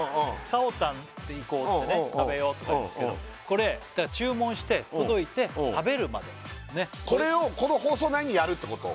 「かおたん行こう」ってね「食べよう」とか言うんですけどこれ注文して届いて食べるまでこれをこの放送内にやるってこと？